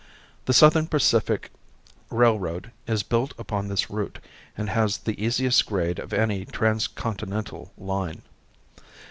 The Southern Pacific Railroad is built upon this route and has the easiest grade of any transcontinental line.